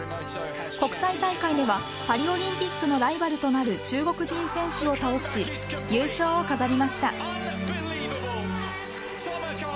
国際大会ではパリオリンピックのライバルとなる中国人選手を倒し優勝を飾りました。